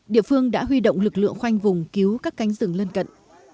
địa phương đã huy động lực lượng khoanh vùng cứu các cánh rừng lân cận